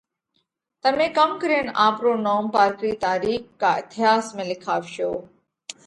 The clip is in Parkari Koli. تمي ڪم ڪرينَ آپرو نوم پارڪرِي تارِيخ ڪا اٿياس ۾ لکاوَشو؟